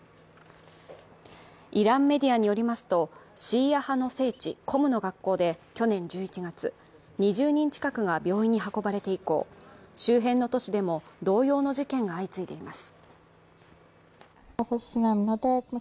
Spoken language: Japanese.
イランメディアによりますとシーア派の聖地コムの学校で去年１１月、２０人近くが病院に運ばれて以降周辺の都市でも同様の事件が相次いでいます。